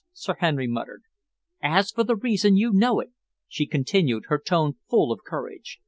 Sir Henry muttered. "As for the reason, you know it," she continued, her tone full of courage.